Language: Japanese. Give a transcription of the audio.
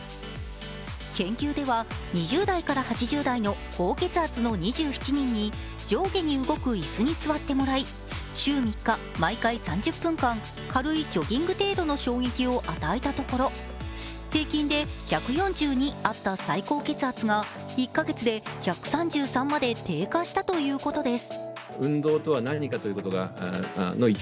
研究では、２０代から８０代の高血圧の２７人に上下に動く椅子に座ってもらい、週３日、毎回３０分間、軽いジョギング程度の衝撃を与えたところ平均で１４２あった最高血圧が１か月で１３３まで低下したということです。